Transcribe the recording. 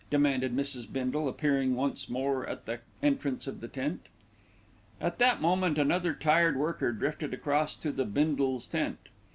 demanded Mrs. Bindle, appearing once more at the entrance of the tent. At that moment another "tired worker" drifted across to the Bindles' tent.